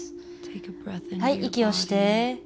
はい息をして。